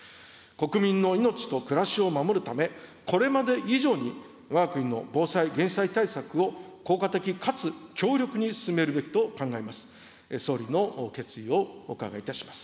国民の命と暮らしを守るため、これまで以上にわが国の防災・減災対策を効果的かつ強力に進めるべきと考えます。